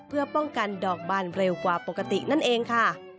เพื่อป้องกันดอกบานเร็วกว่าปกตินั่นเองค่ะ